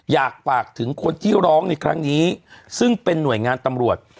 อยากฝากถึงคนที่ร้องในครั้งนี้ซึ่งเป็นหน่วยงานตำรวจ